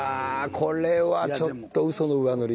これはちょっとウソの上塗り。